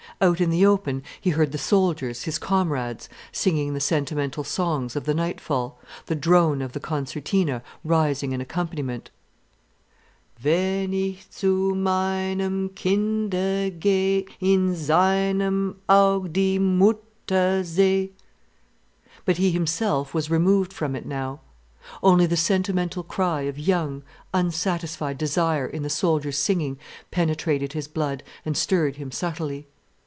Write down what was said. Out in the open he heard the soldiers, his comrades, singing the sentimental songs of the nightfall, the drone of the concertina rising in accompaniment. "Wenn ich zu mei...nem Kinde geh'... In seinem Au...g die Mutter seh'..." But he himself was removed from it now. Only the sentimental cry of young, unsatisfied desire in the soldiers' singing penetrated his blood and stirred him subtly.